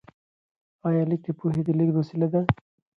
آیا لیک د پوهې د لیږد وسیله ده؟